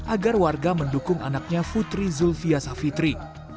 agar warga mendukung anaknya putri zulfiyasa fitri